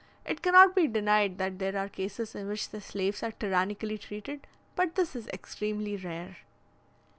It cannot be denied that there are cases in which the slaves are tyrannically treated, but this is extremely rare.